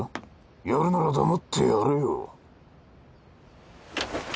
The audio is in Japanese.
殺るなら黙って殺れよ。